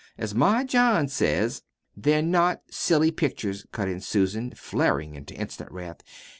As my John says " "They're not silly pictures," cut in Susan, flaring into instant wrath.